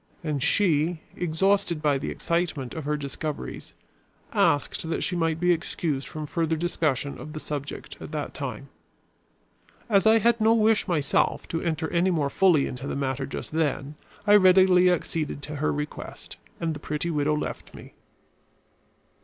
And she, exhausted by the excitement of her discoveries, asked that she might be excused from further discussion of the subject at that time. As I had no wish, myself, to enter any more fully into the matter just then, I readily acceded to her request, and the pretty widow left me.